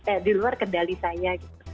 eh di luar kendali saya gitu